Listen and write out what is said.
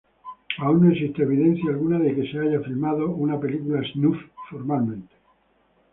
Aún no existe evidencia alguna de que se haya filmado una película snuff formalmente.